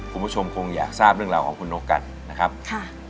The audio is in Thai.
คุณผู้ชมคงอยากทราบเรื่องราวของคุณนกกันนะครับค่ะ